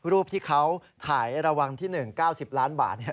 รูปที่เขาถ่ายระวังที่๑๙๐ล้านบาท